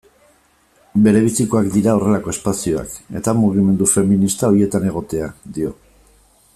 Berebizikoak dira horrelako espazioak, eta mugimendu feminista horietan egotea, dio.